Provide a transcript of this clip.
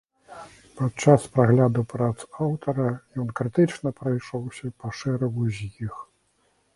Падчас прагляду прац аўтара ён крытычна прайшоўся па шэрагу з іх.